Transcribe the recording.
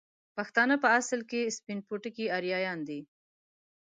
پښتانه په اصل کې سپين پوټکي اريايان دي